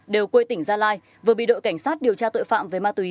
đều quê tỉnh gia lai vừa bị đội cảnh sát điều tra tội phạm về ma túy